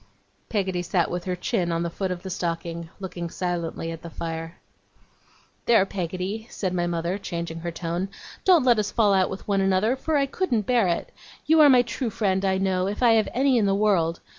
Peggotty sat with her chin on the foot of the stocking, looking silently at the fire. 'There, Peggotty,' said my mother, changing her tone, 'don't let us fall out with one another, for I couldn't bear it. You are my true friend, I know, if I have any in the world.